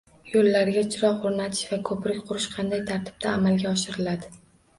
Yo‘llarga chiroq o‘rnatish va ko‘prik qurish qanday tartibda amalga oshiriladi?